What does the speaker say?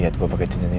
iya apa tadi